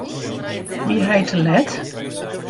Wie hy te let?